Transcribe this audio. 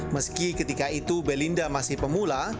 meski ketika itu belinda masih pemula